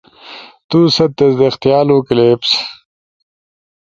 تو ست تصدیق تھیالو کلپس